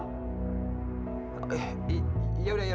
kok bisa meninggal om